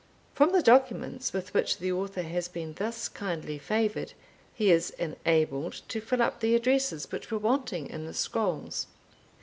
From the documents with which the Author has been thus kindly favoured, he is enabled to fill up the addresses which were wanting in the scrolls.